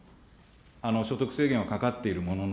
所得制限はかかっているものの。